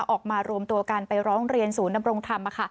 ออกมารวมตัวกันไปร้องเรียนศูนย์ดำรงธรรม